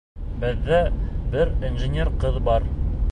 Беҙҙә бер инженер ҡыҙ бар.